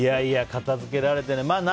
片付けられてない。